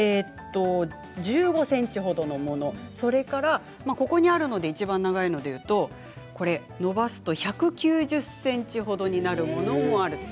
１５ｃｍほどのもの、それからここにあるのでいちばん長いものでいうと、伸ばすと１９０ｃｍほどになるものもあるんです。